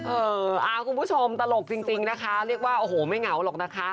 เออคุณผู้ชมตลกจริงนะคะเรียกว่าโอ้โหไม่เหงาหรอกนะคะ